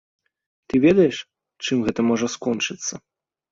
Ты ведаеш, чым гэта можа скончыцца?